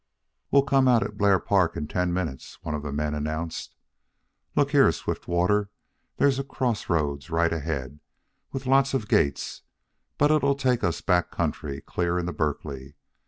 "We'll come out at Blair Park in ten minutes," one of the men announced. "Look here, Swiftwater, there's a crossroads right ahead, with lots of gates, but it'll take us backcountry clear into Berkeley.